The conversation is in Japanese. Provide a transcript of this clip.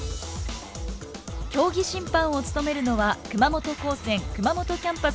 競技審判を務めるのは熊本高専熊本キャンパス